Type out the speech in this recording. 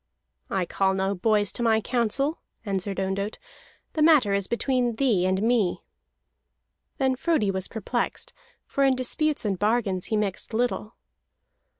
"I call no boys to my counsel," answered Ondott. "The matter is between thee and me." Then Frodi was perplexed, for in disputes and bargains he mixed little.